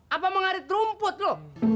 apa mengharis rumput lu